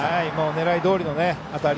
狙いどおりの当たり。